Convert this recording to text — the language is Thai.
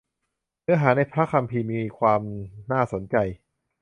เนื้อหาในพระคัมภีร์ มีความน่าสนใจ